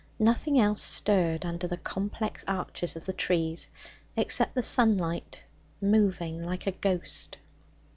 Nothing else stirred under the complex arches of the trees except the sunlight, moving like a ghost.